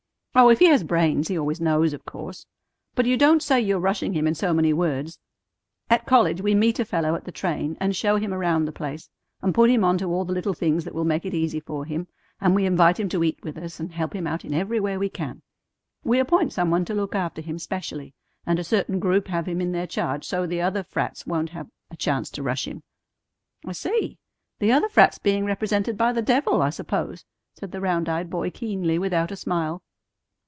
Oh, if he has brains, he always knows, of course; but you don't say you're rushing him in so many words. At college we meet a fellow at the train, and show him around the place, and put him onto all the little things that will make it easy for him; and we invite him to eat with us, and help him out in every way we can. We appoint some one to look after him specially, and a certain group have him in their charge so the other frats won't have a chance to rush him " "I see. The other frats being represented by the devil, I suppose," said the round eyed boy keenly without a smile.